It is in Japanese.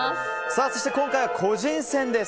そして今回は個人戦です。